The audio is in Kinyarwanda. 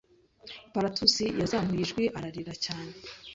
Plutus yazamuye ijwi ararira cyane